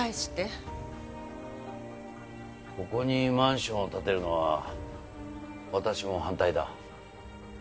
ここにマンションを建てるのは私も反対だ。